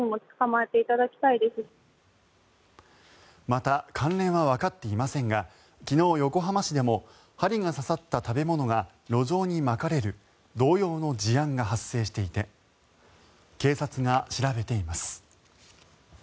また関連はわかっていませんが昨日、横浜市でも針が刺さった食べ物が路上にまかれる同様の事案が発生していて警察が調べています。